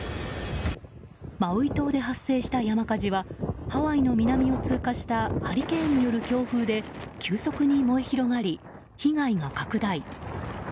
マウイ島で発生した山火事はハワイの南を通過したハリケーンによる強風で急速に燃え広がり、被害が拡大。